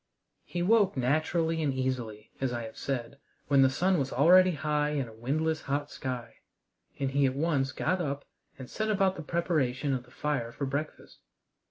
He woke naturally and easily, as I have said, when the sun was already high in a windless hot sky, and he at once got up and set about the preparation of the fire for breakfast.